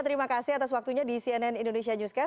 terima kasih atas waktunya di cnn indonesia newscast